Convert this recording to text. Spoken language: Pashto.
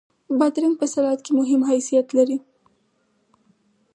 بادرنګ په سلاد کې مهم حیثیت لري.